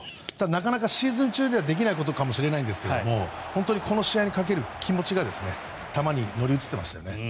なかなかシーズン中にはできないことかもしれないんですがこの試合にかける気持ちが球に乗り移ってましたよね。